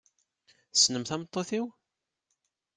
Tessnem tameṭṭut-iw?